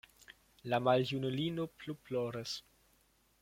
La maljunulino plu ploris.